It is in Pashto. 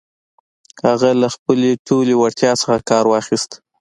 هغه له خپلې ټولې وړتيا څخه کار واخيست.